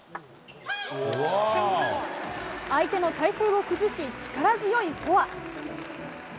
相手の体勢を崩し力強いフォア。